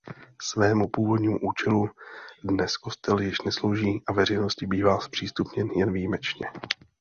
Svému původnímu účelu dnes kostel již neslouží a veřejnosti bývá zpřístupněn jen výjimečně.